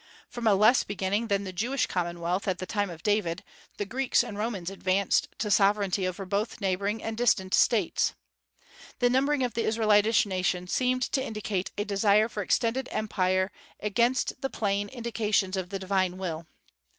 From a less beginning than the Jewish commonwealth at the time of David, the Greeks and Romans advanced to sovereignty over both neighboring and distant States. The numbering of the Israelitish nation seemed to indicate a desire for extended empire against the plain indications of the divine will.